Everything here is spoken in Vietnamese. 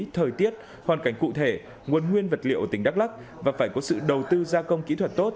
thời tiết hoàn cảnh cụ thể nguồn nguyên vật liệu tỉnh đắk lắc và phải có sự đầu tư gia công kỹ thuật tốt